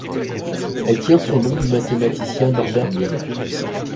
Elle tient son nom du mathématicien Norbert Wiener.